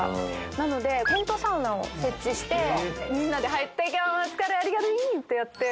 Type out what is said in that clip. なのでテントサウナを設置してみんなで入って今日もお疲れありがとうぃ！